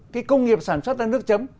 cái công nghiệp sản xuất ra nước chấm